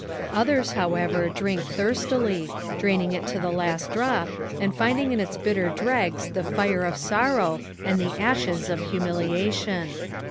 Others, however, drink thirstily, draining it to the last drop and finding in its bitter dregs the fire of sorrow and the ashes of humil iation.